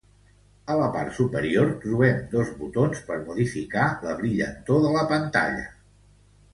A la part superior trobem dos botons per modificar la brillantor de la pantalla.